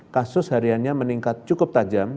kasus hariannya meningkat cukup tajam